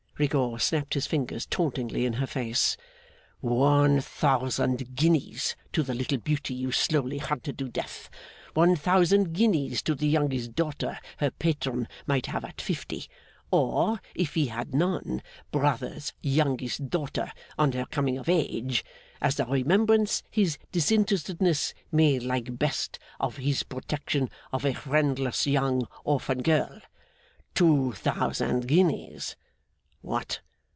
Rigaud snapped his fingers tauntingly in her face. 'One thousand guineas to the little beauty you slowly hunted to death. One thousand guineas to the youngest daughter her patron might have at fifty, or (if he had none) brother's youngest daughter, on her coming of age, "as the remembrance his disinterestedness may like best, of his protection of a friendless young orphan girl." Two thousand guineas. What!